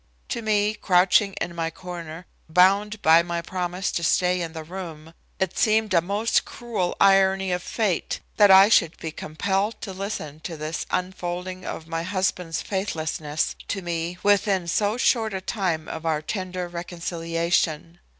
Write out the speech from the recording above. To me, crouching in my corner, bound by my promise to stay in the room, it seemed a most cruel irony of fate that I should be compelled to listen to this unfolding of my husband's faithlessness to me within so short a time of our tender reconciliation.